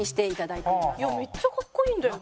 いやめっちゃ格好いいんだよな。